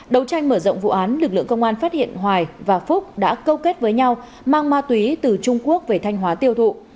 đầu tranh mở rộng vụ án lực lượng công an phát hiện hoài và phúc đã câu kết với nhau mang ma túy từ trung quốc về thanh hóa tiêu thụ